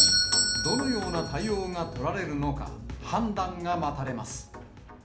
どのような対応が取られるのか、判断が待たれます。